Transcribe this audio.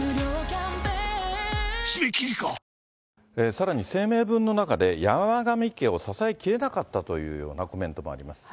さらに声明文の中で、山上家を支えきれなかったというようなコメントもあります。